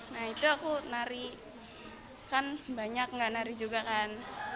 nah itu aku nari kan banyak nggak nari juga kan